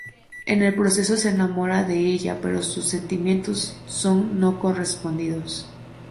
En el proceso se enamora de ella, pero sus sentimientos son no correspondidos.